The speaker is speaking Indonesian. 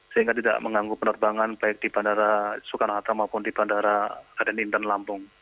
sehingga tidak mengganggu penerbangan baik di bandara soekarno hatta maupun di bandara adan intan lampung